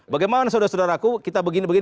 bagaimana saudara saudaraku kita begini begini